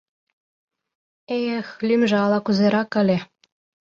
— Э-эх, лӱмжӧ ала-кузерак ыле...